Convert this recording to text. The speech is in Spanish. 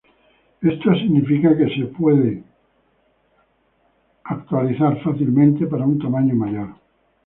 Esto significa puede ser fácilmente actualizado para un tamaño mayor.